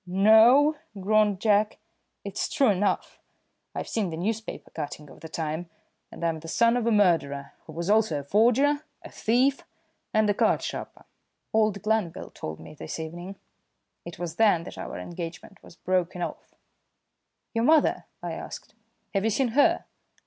"No," groaned Jack, "it's true enough. I've seen the newspaper cutting of the time, and I'm the son of a murderer, who was also a forger, a thief, and a card sharper. Old Glanville told me this evening. It was then that our engagement was broken off." "Your mother?" I asked. "Have you seen her?"